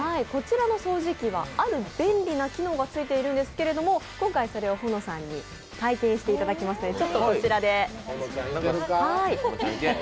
こちらの掃除機はある便利な機能がついているんですけれども、今回それを保乃さんに体験していただきます。